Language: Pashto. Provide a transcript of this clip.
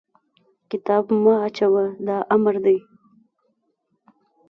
کتاب مه اچوه! دا امر دی.